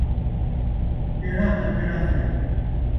کیڑھا تاں کیڑھا سہی